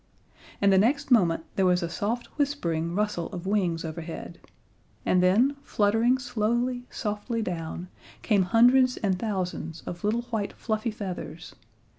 And the next moment there was a soft whispering rustle of wings overhead, and then, fluttering slowly, softly down, came hundreds and thousands of little white fluffy feathers.